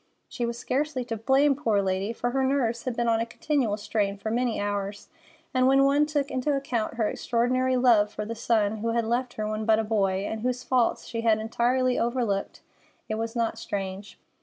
She was scarcely to blame, poor lady, for her nerves had been on a continual strain for many hours, and when one took into account her extraordinary love for the son who had left her when but a boy, and whose faults she had entirely overlooked, it was not strange.